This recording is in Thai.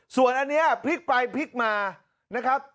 ส่วนอันนี้พลิกไปพลิกมานะครับ